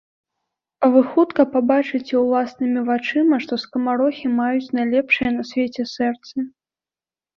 Вы хутка пабачыце ўласнымі вачыма, што скамарохі маюць найлепшыя на свеце сэрцы.